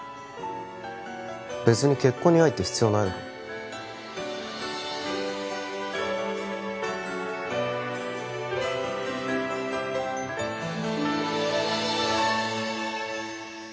別に結婚に愛って必要ないだろう？